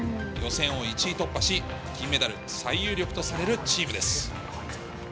予選を１位突破し、金メダル最有力とされるチームです。